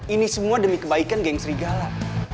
ini semua demi kebaikan geng serigala